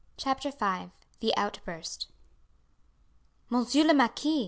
CHAPTER V The Outburst "Monsieur le Marquis," M.